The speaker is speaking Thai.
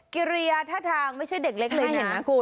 เกรียทะทางไม่ใช่เด็กเล็กเลยนะ